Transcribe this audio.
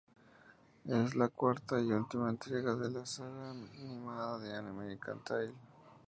Es la cuarta y última entrega de la saga animada de An American Tail.